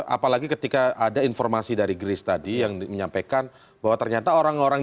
apalagi ketika ada informasi dari grace tadi yang menyampaikan bahwa ternyata orang orang